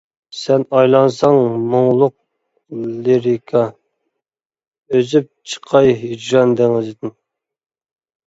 سەن ئايلانساڭ مۇڭلۇق لىرىكا، ئۈزۈپ چىقاي ھىجران دېڭىزدىن.